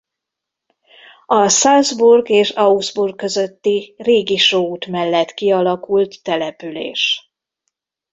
A Salzburg és Augsburg közötti régi só út mellett kialakult település.